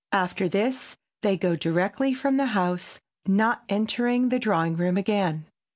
After this they go directly from the house, not entering the drawing room again.